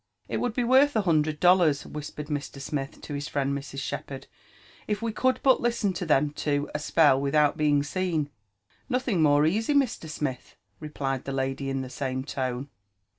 *• It would be worth a hundred dollars," whispered Mr. Smith to his friend Mrs. Shepherd, if we could but listen to them two a spell without being seen." Nothing more easy, Mr. Smith," replied the lady in the same tone.